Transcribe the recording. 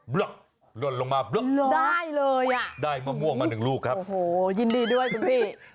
บลวอกบลวนลงมาบลวอกได้แบบมะม่วงมาหนึ่งลูกครับโอ้โหยินดีด้วยคุณพี่